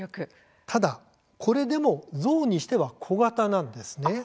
ただこれでもゾウにしては小型なんですね。